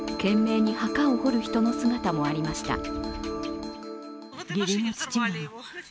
懸命に墓を掘る人の姿もありました。